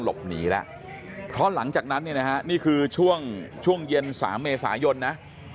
หลบหนีแล้วเพราะหลังจากนั้นเนี่ยนะฮะนี่คือช่วงช่วงเย็น๓เมษายนนะ